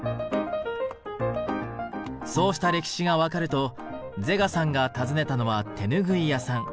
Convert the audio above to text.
そうした歴史が分かるとゼガさんが訪ねたのは手拭い屋さん。